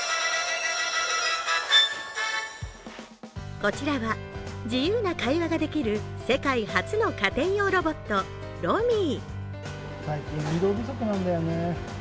こちらは自由な会話ができる世界初の家庭用ロボット・ロミィ。